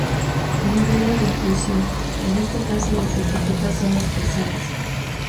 Modelo de inclusión: En este caso las etiquetas son las personas.